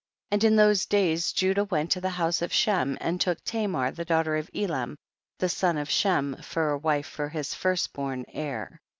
23. And in those days Judah went to the house of Shem and took Ta mar the daughter of Elam, the son of Shem, for a wife for his first born Er, 24.